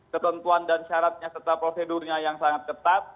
ketentuan dan syaratnya serta prosedurnya yang sangat ketat